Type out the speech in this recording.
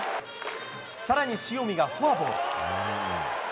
さらに塩見がフォアボール。